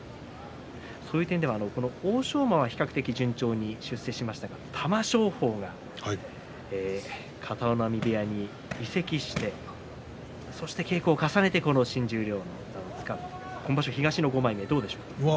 そういう点では、この欧勝馬は比較的、順調に出世しましたが玉正鳳が片男波部屋に移籍してそして稽古を重ねてこの新十両の座をつかんで今場所、東の５枚目どうでしょうか？